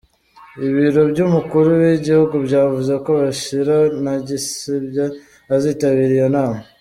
Ibiro by’umukuru w’Igihugu byavuze ko Bashir ntagisibya azitabira iyo nama.